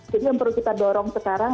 jadi yang perlu kita dorong sekarang